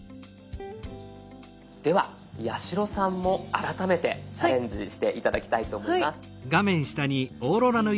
では八代さんも改めてチャレンジして頂きたいと思います。